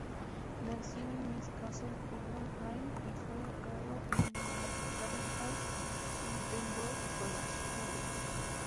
Nació en Newcastle-upon-Tyne, y fue educado en Charterhouse y Pembroke College, Cambridge.